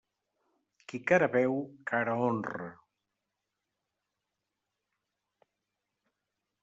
Qui cara veu, cara honra.